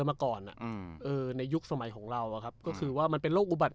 มาก่อนอ่ะอืมเออในยุคสมัยของเราอ่ะครับก็คือว่ามันเป็นโรคอุบัติ